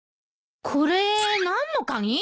これ何の鍵？